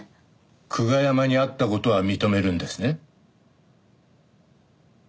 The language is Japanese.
久我山に会った事は認めるんですね？